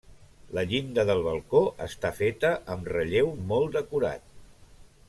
La llinda del balcó està feta amb relleu molt decorat.